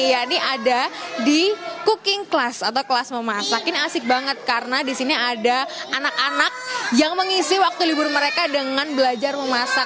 ini ada di cooking class atau kelas memasak ini asik banget karena di sini ada anak anak yang mengisi waktu libur mereka dengan belajar memasak